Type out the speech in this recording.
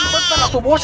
bentar atuh bos